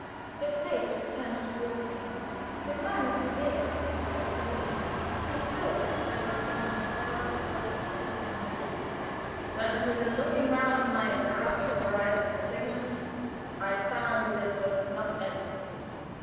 His face was turned toward me; his mien was severe, but serene; he spoke as of some far past, distant dream. "Then it was in looking round my darkened horizon for Sigmund, I found that it was not empty.